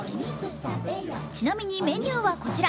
ちなみにメニューはこちら。